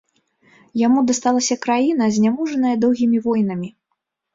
Яму дасталася краіна, зняможаная доўгімі войнамі.